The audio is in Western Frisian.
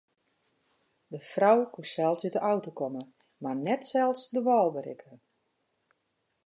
De frou koe sels út de auto komme mar net sels de wâl berikke.